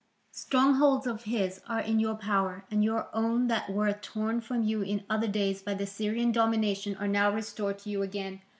Strongholds of his are in your power, and your own that were torn from you in other days by the Syrian domination are now restored to you again.